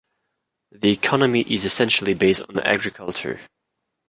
The economy is essentially based on agriculture.